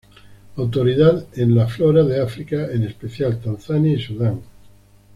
Autoridad en la flora de África, en especial Tanzania y Sudán.